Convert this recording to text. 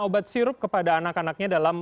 obat sirup kepada anak anaknya dalam